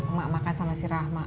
emak makan sama si rahma